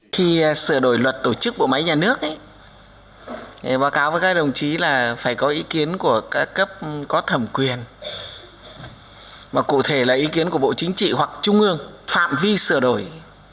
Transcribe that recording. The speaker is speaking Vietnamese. khi sửa đổi luật tổ chức bộ máy nhà nước báo cáo với các đồng chí là phải có ý kiến của các cấp có thẩm quyền mà cụ thể là ý kiến của bộ chính trị hoặc trung ương phạm vi sửa đổi